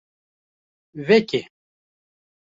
Veke.